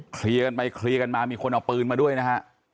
เคลียร์กันไปเคลียร์กันมามีคนเอาปืนมาด้วยนะฮะ